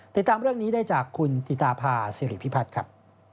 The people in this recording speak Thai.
ติดตามเรื่องนี้ได้จากคุณติตาพาสิริพิพัฒน์ครับ